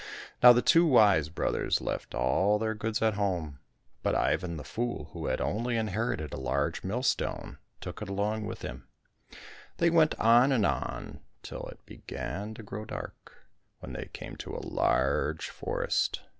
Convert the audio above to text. Now the two wise brothers left all their goods at home, but Ivan the fool, who had only inherited a large mill stone, took it along with him. They went on and on and on till it began to grow dark, when they came to a large forest.